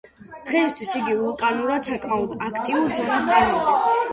დღეისათვის იგი ვულკანურად საკმაოდ აქტიურ ზონას წარმოადგენს.